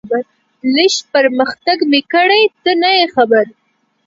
لږ پرمختګ مې کړی، ته نه یې خبر.